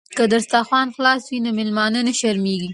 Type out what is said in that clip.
که دسترخوان خلاص وي نو میلمه نه شرمیږي.